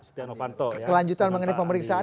setiano panto klanjutan mengenai pemeriksaan